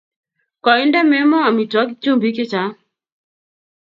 Koinde Memo amitwogik chumbik chechang'.